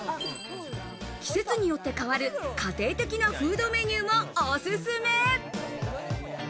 季節によって変わる家庭的なフードメニューもおすすめ！